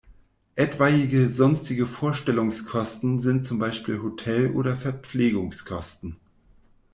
Etwaige sonstige Vorstellungskosten sind zum Beispiel Hotel- oder Verpflegungskosten.